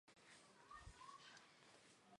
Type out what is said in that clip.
大家要看清楚。